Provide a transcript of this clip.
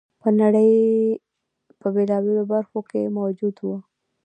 په نړۍ په بېلابېلو برخو کې موجود و